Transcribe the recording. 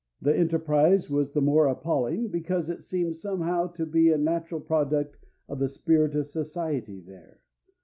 The enterprise was the more appalling because it seemed somehow to be a natural product of the spirit of society there.